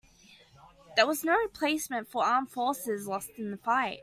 There was no replacement for armed forces lost in the fight.